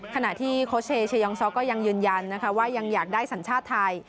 ขณะที่โคเชยองซ็อกก็ยังยืนยันนะคะว่ายังอยากได้สัญชาติไทย